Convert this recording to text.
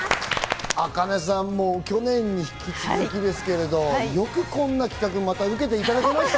ａｋａｎｅさん、去年に引き続きですけれども、よくこんな企画、受けていただけました。